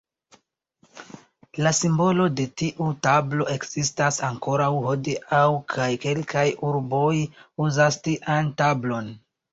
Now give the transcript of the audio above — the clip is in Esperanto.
La simbolo de tiu tablo ekzistas ankoraŭ hodiaŭ kaj kelkaj urboj uzas tian tablon.